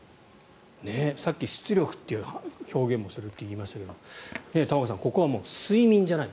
さっき出力って表現もするって言いましたけど玉川さん、ここは睡眠じゃない。